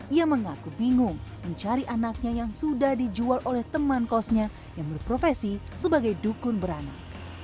ia mengaku bingung mencari anaknya yang sudah dijual oleh teman kosnya yang berprofesi sebagai dukun beranak